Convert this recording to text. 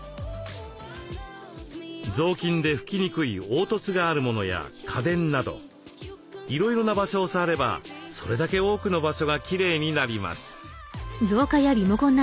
雑巾で拭きにくい凹凸があるものや家電などいろいろな場所を触ればそれだけ多くの場所がきれいになります。